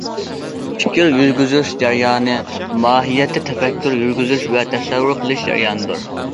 پىكىر يۈرگۈزۈش جەريانى ماھىيەتتە تەپەككۇر يۈرگۈزۈش ۋە تەسەۋۋۇر قىلىش جەريانىدۇر.